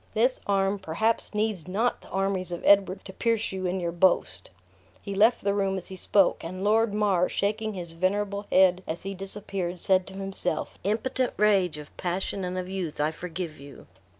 This arm perhaps needs not the armies of Edward to pierce you in your boast!" He left the room as he spoke; and Lord Mar, shaking his venerable head as he disappeared, said to himself: "Impotent rage of passion and of youth, I pity and forgive you."